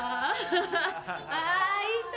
あ、いた。